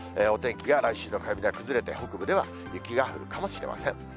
お天気が来週の火曜日には崩れて、北部では雪が降るかもしれません。